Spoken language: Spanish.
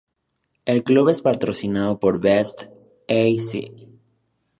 El club es patrocinado por "Best A.Ş.